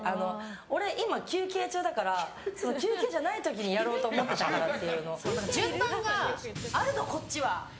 俺、今休憩中だから休憩じゃない時にやろうと思っていたのって。